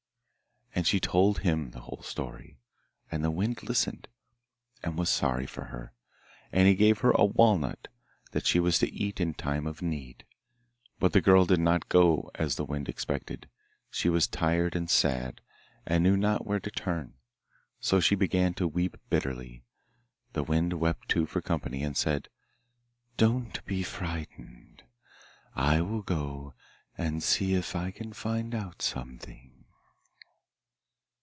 And she told him the whole story. And the Wind listened, and was sorry for her, and he gave her a walnut that she was to eat in time of need. But the girl did not go as the Wind expected. She was tired and sad, and knew not where to turn, so she began to weep bitterly. The Wind wept too for company, and said: 'Don't be frightened; I will go and see if I can find out something.